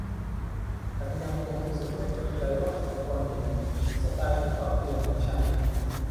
ฉันยังคงรู้สึกไม่เต็มใจว่าเขาควรเห็นสไตล์ที่ปรับเปลี่ยนของฉัน